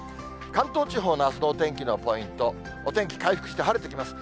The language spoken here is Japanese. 関東地方のあすのお天気のポイント、お天気回復して、晴れてきます。